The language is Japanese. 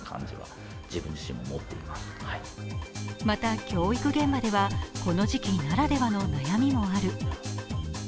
また教育現場では、この時期ならではの悩みもある。